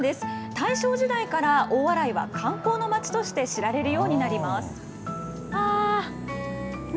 大正時代から大洗は観光の町として知られるようになります。